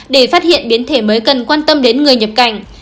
để phát hiện biến thể mới cần quan tâm đến người nhập cảnh